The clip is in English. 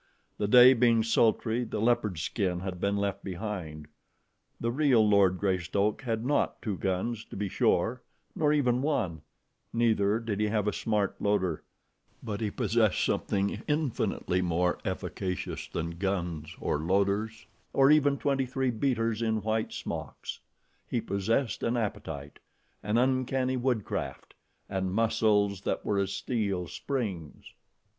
The day being sultry, the leopard skin had been left behind. The real Lord Greystoke had not two guns, to be sure, nor even one, neither did he have a smart loader; but he possessed something infinitely more efficacious than guns, or loaders, or even twenty three beaters in white smocks he possessed an appetite, an uncanny woodcraft, and muscles that were as steel springs.